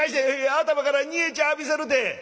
「頭から煮え茶浴びせるて」。